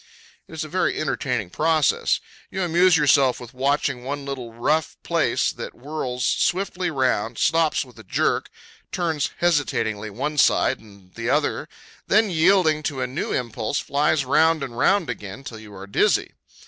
It is a very entertaining process. You amuse yourself with watching one little rough place that whirls swiftly round, stops with a jerk, turns hesitatingly one side and the other, then, yielding to a new impulse, flies round and round again till you are dizzy.